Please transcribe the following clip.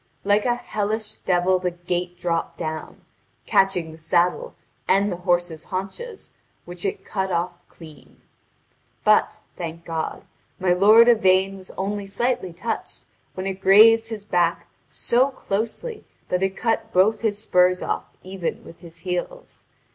Like a hellish devil the gate dropped down, catching the saddle and the horse's haunches, which it cut off clean. But, thank God, my lord Yvain was only slightly touched when it grazed his back so closely that it cut both his spurs off even with his heels.